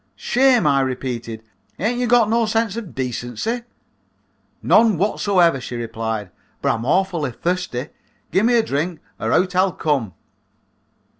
"'Shame,' I repeated, 'ain't you got no sense of decency?' "'None wot so ever,' she replied, 'but I'm awfully thirsty. Gimme a drink or out I'll come.'